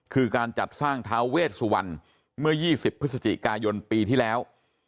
คือการจัดสร้างท้าเวชสุวรรณเมื่อ๒๐พฤศจิกายนปีที่แล้ว